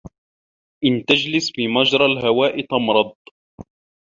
إِنْ تَجْلِسْ فِي مَجْرَى الْهَوَاءِ تَمْرَضْ.